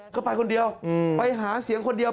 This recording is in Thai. ก็ไปคนเดียวไปหาเสียงคนเดียว